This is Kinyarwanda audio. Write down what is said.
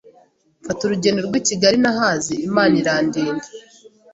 mfata urugendo rw’I Kigali ntahazi Imana irandinda